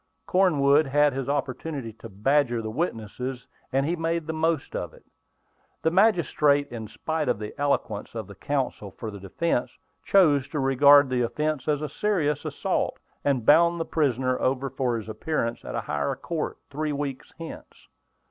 Cornwood had his opportunity to badger the witnesses, and he made the most of it. The magistrate, in spite of the eloquence of the counsel for the defence, chose to regard the offence as a serious assault, and bound the prisoner over for his appearance at a higher court, three weeks hence.